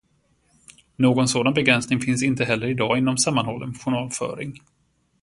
Någon sådan begränsning finns inte heller i dag inom sammanhållen journalföring.